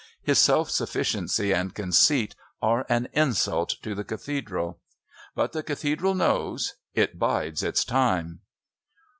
His self sufficiency and conceit are an insult to the Cathedral. But the Cathedral knows. It bides its time."